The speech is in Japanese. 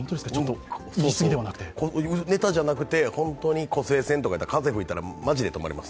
ネタじゃなくて、本当に湖西線とか風が吹いたらマジで止まります。